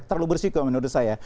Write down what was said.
terlalu bersiko menurut saya